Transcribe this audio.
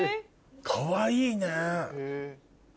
かわいいね。